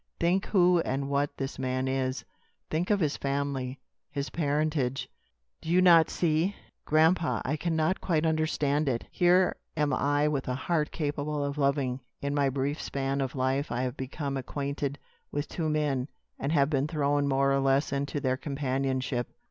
Think who and what this man is. Think of his family his parentage. Do you not see?" "Grandpa, I can not quite understand it. Here am I with a heart capable of loving. In my brief span of life I have become acquainted with two men, and have been thrown more or less into their companionship.